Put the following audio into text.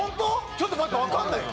ちょっと待ってわかんないよ。